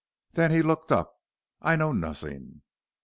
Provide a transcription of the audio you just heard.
Then he looked up. "I know nozzing."